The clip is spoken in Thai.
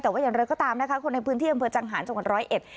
แต่ว่าอย่างนั้นเราก็ตามนะคะคนในพื้นที่อำเภอจังหาญจังหวัน๑๐๑